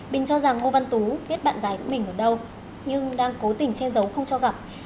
bình cho rằng ngô văn tú biết bạn gái của mình ở đâu nhưng đang cố tình che giấu không cho gặp